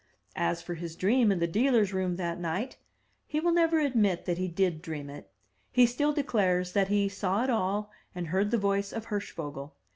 As for his dream in the dealers' room that night, he will never admit that he did dream it; he still declares that he saw it all, and heard the voice of Hirschvogel.